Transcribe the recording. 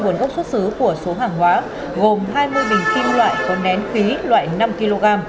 nguồn gốc xuất xứ của số hàng hóa gồm hai mươi bình kim loại có nén khí loại năm kg